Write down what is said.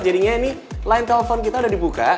jadinya ini line telepon kita udah dibuka